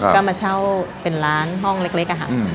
ค่ะก็มาเช่าเป็นร้านห้องเล็กเล็กอ่ะฮะอืม